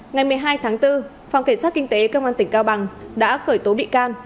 ngày một mươi hai tháng bốn phòng kể sát kinh tế cơ quan tỉnh cao bằng đã khởi tố bị can